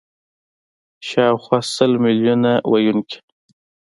شاوخوا سل میلیونه ویونکي